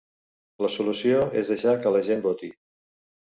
La solució és deixar que la gent voti.